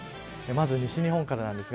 まず西日本からです。